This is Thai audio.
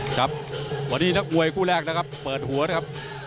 ครับวันนี้นักมวยคู่แรกนะครับเปิดหัวนะครับ